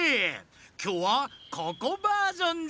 きょうはここバージョンじゃ！